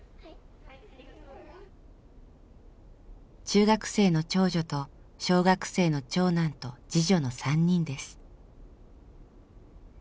中学生の長女と小学生の長男と次女の３人です。